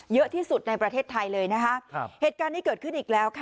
เยอะที่สุดในประเทศไทยเลยเหตุการณ์เกิดขึ้นอีกแล้ว